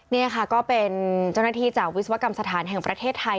นี่ค่ะก็เป็นเจ้าหน้าที่จากวิศวกรรมสถานแห่งประเทศไทย